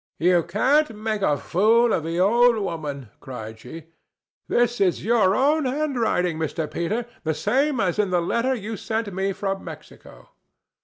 "You can't make a fool of the old woman," cried she. "This is your own handwriting, Mr. Peter, the same as in the letter you sent me from Mexico."